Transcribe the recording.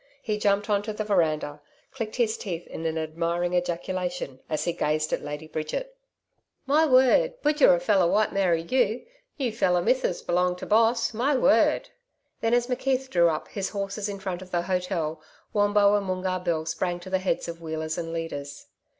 He jumped on to the veranda, clicked his teeth in an admiring ejaculation as he gazed at Lady Bridget. 'My word! BUJERI feller White Mary you! ... new feller Mithsis belonging to Boss. My word!' Then as McKeith drew up his horses in front of the hotel, Wombo and Moongarr Bill sprang to the heads of wheelers and leaders.